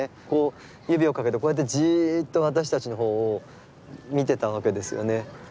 こう指をかけてこうやってじっと私たちの方を見てたわけですよね。